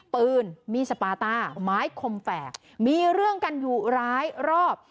ปืนมีสปาต้าไม้คมแฝกมีเรื่องกันอยู่ร้ายรอบ